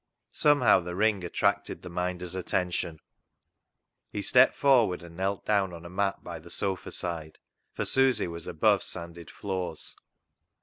Somehow the ring attracted the Minder's attention. He stepped forward and knelt down on a mat by the sofa side — for Susy was above sanded floors.